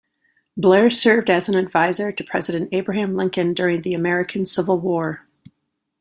Blair served as an advisor to President Abraham Lincoln during the American Civil War.